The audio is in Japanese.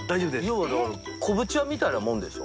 要はだから昆布茶みたいなもんでしょ？